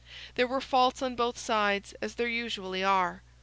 There were faults on both sides, as there usually are.